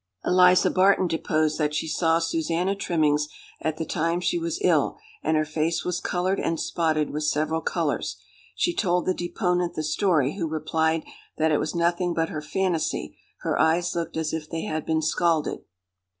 "Eliza Barton deposed that she saw Susannah Trimmings at the time she was ill, and her face was coloured and spotted with several colours. She told the deponent the story, who replied, that it was nothing but her fantasy; her eyes looked as if they had been scalded.